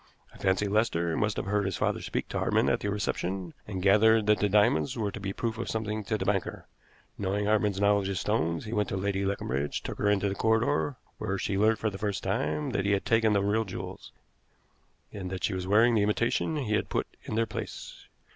I fancy Lester must have heard his father speak to Hartmann at the reception, and gathered that the diamonds were to be a proof of something to the banker. Knowing Hartmann's knowledge of stones, he went to Lady Leconbridge, took her into the corridor, where she learnt for the first time that he had taken the real jewels, and that she was wearing the imitation he had put in their place.